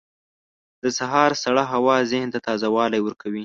• د سهار سړه هوا ذهن ته تازه والی ورکوي.